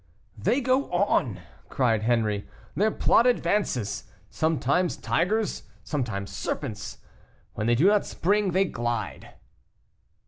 "They go on!" cried Henri, "their plot advances; sometimes tigers, sometimes serpents; when they do not spring they glide."